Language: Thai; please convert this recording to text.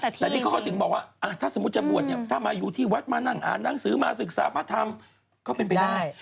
แต่นี่เขาก็ถึงบอกว่าถ้าสมมุติจะบวชเนี่ยถ้ามาอยู่ที่วัดมานั่งอ่านหนังสือมาศึกษาพระธรรมก็เป็นไปได้